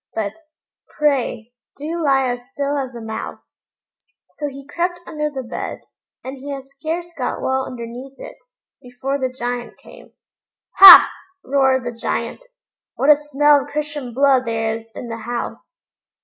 But, pray, do lie as still as a mouse." So he crept under the bed, and he had scarce got well underneath it, before the Giant came. "Ha!" roared the Giant, "what a smell of Christian blood there is in the house!"